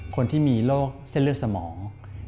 คนที่มีโรคเส้นเลือดสมอง